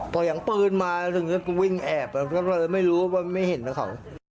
พออย่างปืนมาถึงก็วิ่งแอบก็เลยไม่รู้ว่าไม่เห็นกับเขา